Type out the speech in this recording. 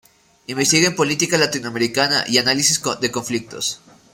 Investiga en política latinoamericana y análisis de conflictos.